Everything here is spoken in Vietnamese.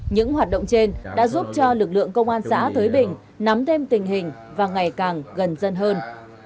những hoạt động trên đã giúp cho lực lượng công an xã thới bình nắm thêm tình hình và ngày càng gần dân hơn